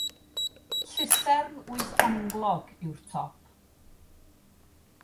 Llusern wythonglog yw'r top.